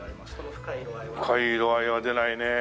深い色合いは出ないね。